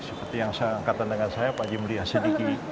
seperti yang angkatan dengan saya pak jimri hasediki